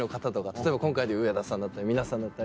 例えば今回でいう上田さんだったり皆さんだったり。